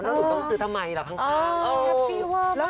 ต้องซื้อทำไมหรอกทั้ง